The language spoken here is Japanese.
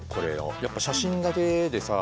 やっぱ写真だけでさ。